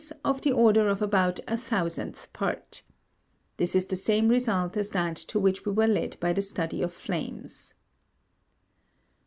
of the order of about a thousandth part. This is the same result as that to which we were led by the study of flames.